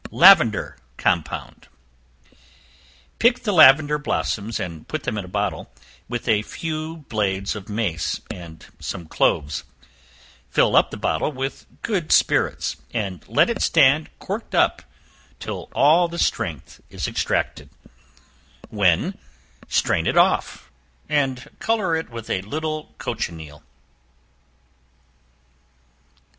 Lavender Compound. Pick the lavender blossoms, and put them in a bottle, with a few blades of mace, and some cloves; fill up the bottle with good spirits, and let it stand corked up, till all the strength is extracted; when strain it off, and color it with a little cochineal.